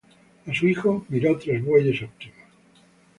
A su hijo Miró tres bueyes óptimos.